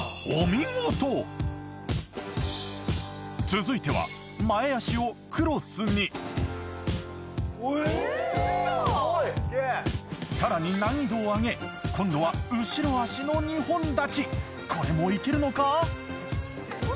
続いてはさらに難易度を上げ今度は後ろ脚の二本立ちこれもいけるのか？